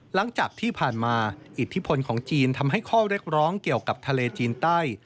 หลังจากที่ผ่านมาอิทธิพลของจีนทำให้ข้อเรียกร้องเกี่ยวกับทะเลจีนใต้